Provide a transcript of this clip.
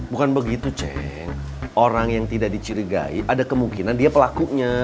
bukan begitu ceng orang yang tidak dicurigai ada kemungkinan dia pelakunya